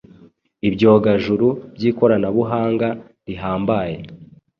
Ibyogajuru by’ikoranabuhanga rihambaye